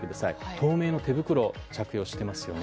透明の手袋を着用していますよね。